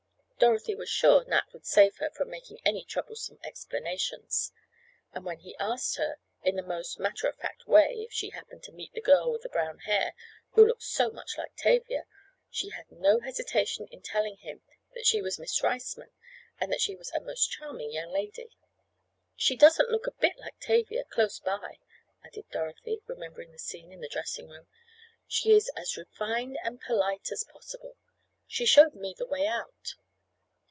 Dorothy was sure Nat would save her from making any troublesome explanations, and when he asked her, in the most matter of fact way if she happened to meet the girl with the brown hair who looked so much like Tavia, she had no hesitation in telling him that she was Miss Riceman, and that she was a most charming young lady. "She doesn't look a bit like Tavia—close by," added Dorothy, remembering the scene in the dressing room. "She is as refined and polite as possible. She showed me the way out."